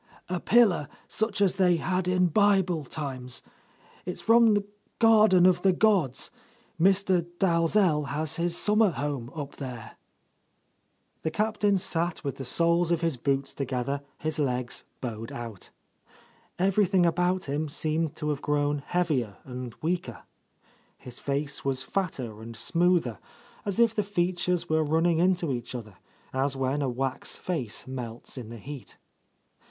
"A pillar, such as they had in Bible times. It's from the Garden of the Gods. Mr. Dalzell has his summer home up there." — to8 —, A Lost Lady The Captain sat with the soles of his boots to gether, his legs bowed out. Everything about him seemed to have grown heavier and weaker. His face was fatter and smoother; as if the fea tures were running into each other, as when a wax face melts in the heat.